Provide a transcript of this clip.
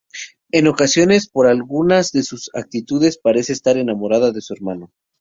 En ocasiones por algunas de sus actitudes parece estar enamorada de su hermano.